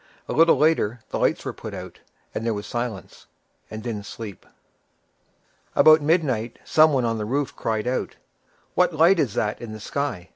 A little later, the lights were put out, and there was silence, and then sleep. About midnight some one on the roof cried out, "What light is that in the sky?